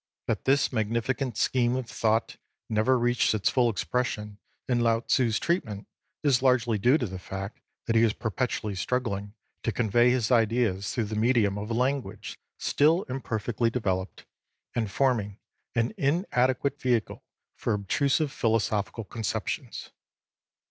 That this magnificent scheme of thought never reached its full expression in Lao Tzu's treatment is largely due to the fact that he was perpetually struggling to convey his ideas through the medium of a language still imperfectly developed, and forming an inadequate vehicle for abstruse philosophical conceptions.